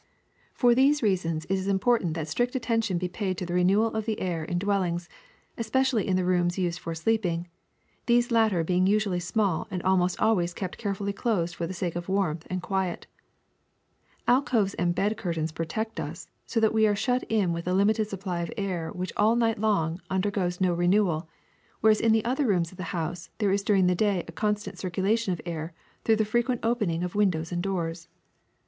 ^^For these various reasons it is important that IMPURE AIR 309 strict attention be paid to the renewal of the air in dwellings, especially in the rooms used for sleeping, these latter being usually small and almost always kept carefully closed for the sake of warmth and quiet. Alcoves and bed curtains protect us, so that we are shut in with a limited supply of air which all night long undergoes no renewal, whereas in the other rooms of the house there is during the day a constant circulation of air through the frequent open ing of windows and doors.